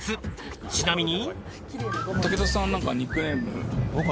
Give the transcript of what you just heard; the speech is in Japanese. ちなみに。